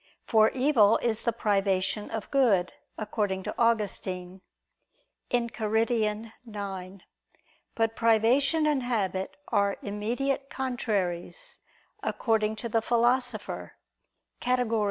For evil is the privation of good, according to Augustine (Enchiridion xi). But privation and habit are immediate contraries, according to the Philosopher (Categor.